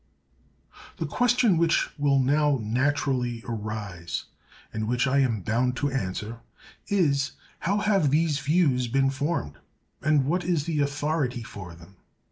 The question which will now naturally arise, and which I am bound to answer, is, how have these views been formed? and what is the authority for them?